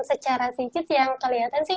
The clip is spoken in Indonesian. secara vigit yang kelihatan sih